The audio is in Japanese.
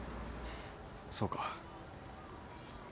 そうか。